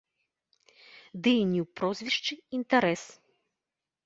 Ды і не ў прозвішчы інтарэс!